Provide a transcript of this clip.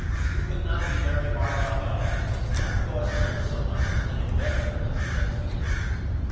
You could not be very hard up Al because it don't cost near so much to live in Bedford as it does up here.